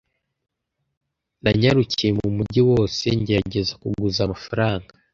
Nanyarukiye mu mujyi wose ngerageza kuguza amafaranga.